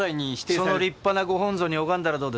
その立派なご本尊に拝んだらどうです？